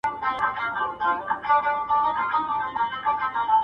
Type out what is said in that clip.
چي غزل مي د پرهر ژبه ویله,